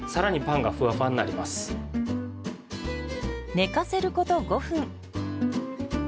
寝かせること５分。